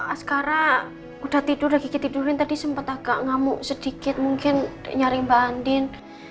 askara udah tidur lagi tidurin tadi sempat agak ngamuk sedikit mungkin nyari mbak andin